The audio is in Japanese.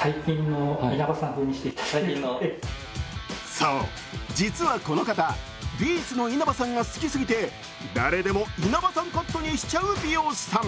そう、実はこの方Ｂ’ｚの稲葉さんが好きすぎて誰でも稲葉さんカットにしちゃう美容師さん。